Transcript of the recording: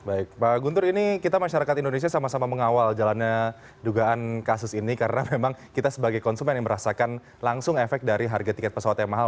baik pak guntur ini kita masyarakat indonesia sama sama mengawal jalannya dugaan kasus ini karena memang kita sebagai konsumen yang merasakan langsung efek dari harga tiket pesawat yang mahal